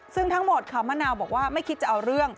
ซึ่งทั้งหมดค่ะมะนาวบอกว่าไม่คิดจะเอาเรื่อง